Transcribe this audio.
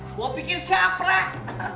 gua pikir siap rek